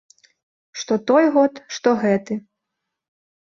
Што той год, што гэты.